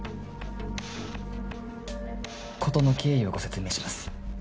事の経緯をご説明します。